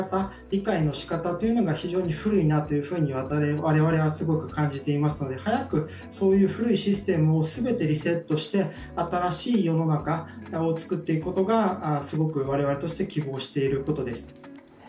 理解のしかたが非常に古いなと我々はすごく感じていますので早くそういう古いシステムを全てリセットして新しい世の中を作っていくことが我々として、希望していることです。